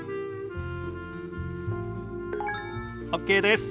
ＯＫです。